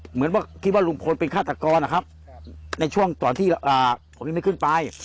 เหมือนว่าคิดว่าลุงพลเป็นฆาตกรนะครับในช่วงตอนที่ผมยังไม่ขึ้นไป